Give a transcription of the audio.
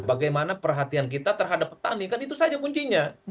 bagaimana perhatian kita terhadap petani kan itu saja kuncinya